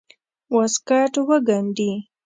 واسکټ وګنډي.